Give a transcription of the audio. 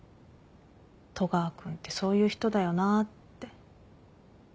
戸川君ってそういう人だよなって。